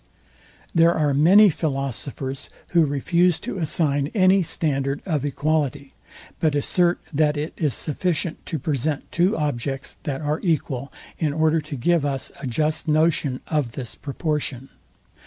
See Dr. Barrow's mathematical lectures. There are many philosophers, who refuse to assign any standard of equality, but assert, that it is sufficient to present two objects, that are equal, in order to give us a just notion of this proportion.